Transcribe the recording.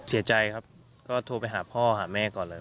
เสียใจครับก็โทรไปหาพ่อหาแม่ก่อนเลย